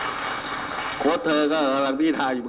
นายยกรัฐมนตรีพบกับทัพนักกีฬาที่กลับมาจากโอลิมปิก๒๐๑๖